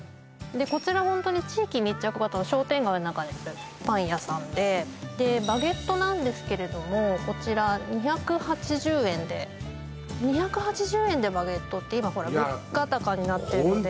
こちらホントに地域密着型の商店街の中にあるパン屋さんででバゲットなんですけれどもこちら２８０円で２８０円でバゲットって今ほら物価高になってるのでいや